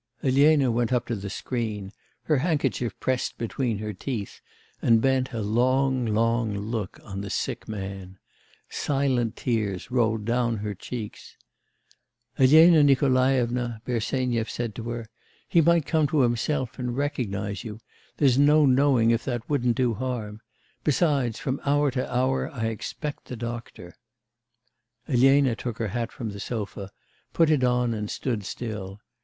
Elena went up to the screen, her handkerchief pressed between her teeth, and bent a long, long look on the sick man. Silent tears rolled down her cheeks. 'Elena Nikolaevna,' Bersenyev said to her, 'he might come to himself and recognise you; there's no knowing if that wouldn't do harm. Besides, from hour to hour I expect the doctor.' Elena took her hat from the sofa, put it on and stood still.